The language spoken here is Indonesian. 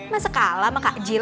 gak sekala mah kak jil